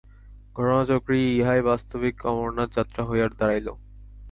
ঘটনাচক্রে ইহাই বাস্তবিক অমরনাথ-যাত্রা হইয়া দাঁড়াইল।